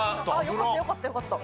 よかったよかったよかった。